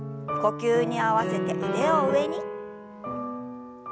呼吸に合わせて腕を上に。